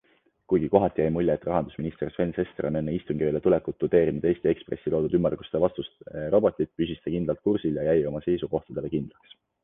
Kuigi kohati jäi mulje, et rahandusminister Sven Sester on enne istungiööle tulekut tudeerinud Eesti Ekspressi loodud ümmarguste vastuste robotit, püsis ta kindlal kursil ja jäi oma seisukohtadele kindlaks.